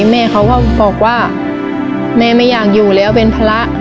แม่เขาก็บอกว่าแม่ไม่อยากอยู่แล้วเป็นพระ